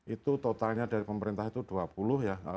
itu totalnya dari pemerintah itu dua puluh ya